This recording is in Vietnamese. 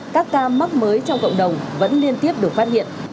các ca mắc mới trong cộng đồng vẫn liên tiếp được phát hiện